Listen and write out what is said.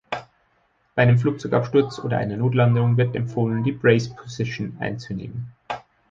Bei einem Flugzeugabsturz oder einer Notlandung wird empfohlen die Brace position einzunehmen.